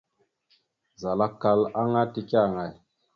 Zal akkal aŋa teke aŋay ?